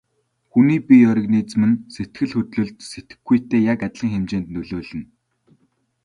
Хүний бие организм нь сэтгэл хөдлөлд сэтгэхүйтэй яг адилхан хэмжээнд нөлөөлнө.